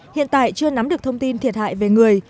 hiện tại chưa nắm được thông tin thiệt hại về người